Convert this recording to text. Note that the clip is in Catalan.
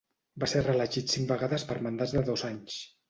Va ser reelegit cinc vegades per mandats de dos anys.